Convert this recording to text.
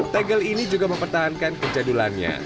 tegel ini juga mempertahankan kejadulannya